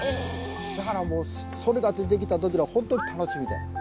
だからもうそれが出てきた時は本当に楽しみで。